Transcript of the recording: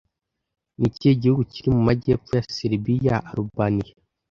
Ni ikihe gihugu kiri mu majyepfo ya Seribiya Alubaniya